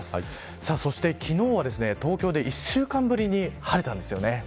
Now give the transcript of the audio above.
そして、昨日は東京で１週間ぶりに晴れたんです。